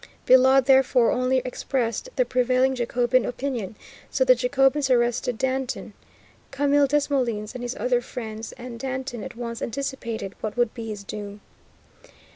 Billaud, therefore, only expressed the prevailing Jacobin opinion; so the Jacobins arrested Danton, Camille Desmoulins, and his other friends, and Danton at once anticipated what would be his doom.